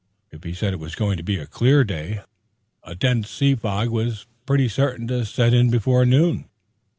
If he said it was going to be a clear day, a dense sea fog was pretty certain to set in before noon.